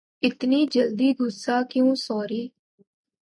اتنی جلدی غصہ کیوں سوری